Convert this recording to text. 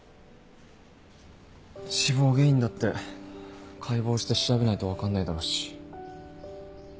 死亡原因だって解剖して調べないと分かんないだろうし。